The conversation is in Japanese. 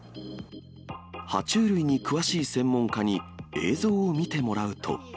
は虫類に詳しい専門家に映像を見てもらうと。